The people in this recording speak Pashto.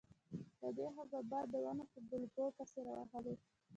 له دې خوا به باد د ونو په بلګو پسې راوهلې.